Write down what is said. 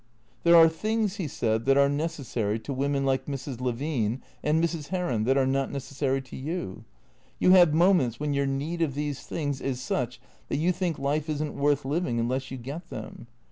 " There are things," he said, " that are necessary to women like Mrs. Levine and Mrs. Heron, that are not necessary to you. You have moments when your need of these things is such that you think life is n't worth living unless you get them.